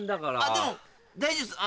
でも大丈夫です